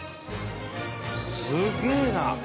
すげえな！